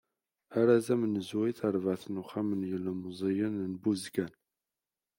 Arraz amenzu i terbaɛt n uxxam n yilemẓiyen n Buzgan.